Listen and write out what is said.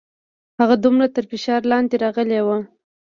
هغه دومره تر فشار لاندې راغلې وه.